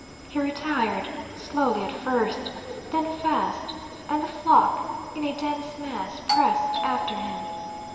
He retired, slowly at first, then fast; and the flock, in a dense mass, pressed after him.